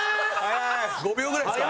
５秒ぐらいですか？